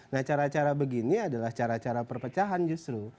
nah cara cara begini adalah cara cara perpecahan justru